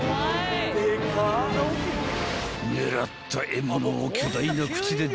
［狙った獲物を巨大な口で全吸い込み］